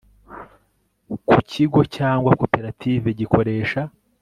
ku kigo cyangwa koperative gikoresha